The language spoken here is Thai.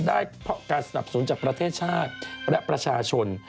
ได้เพราะการสนับสนุนจากประเทศชาติและประชาชน